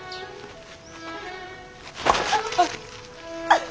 あっ！